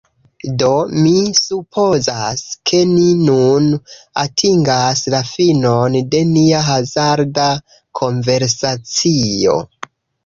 Do, mi supozas, ke ni nun atingas la finon de nia hazarda konversacio.